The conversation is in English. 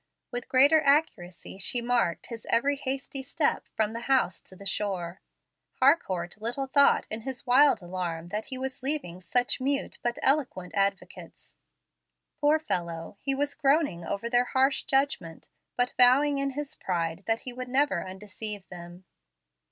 With greater accuracy she marked his every hasty step from the house to the shore. Harcourt little thought in his wild alarm that he was leaving such mute but eloquent advocates. Poor fellow! he was groaning over their harsh judgment, but vowing in his pride that he would never undeceive them.